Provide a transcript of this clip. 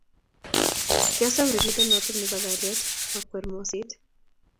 Kiasom ripindet noto nebo kalyet makwer moseet